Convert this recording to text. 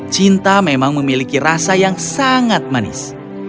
cinta memang memiliki rasa yang sangat manis